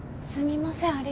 すみません。